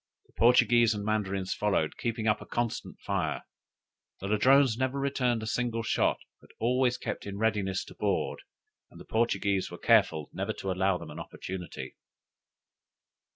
The Portuguese and Mandarins followed, keeping up a constant fire. The Ladrones never returned a single shot, but always kept in readiness to board, and the Portuguese were careful never to allow them an opportunity.